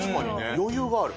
余裕がある。